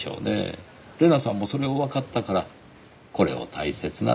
玲奈さんもそれをわかったからこれを大切な宝物にした。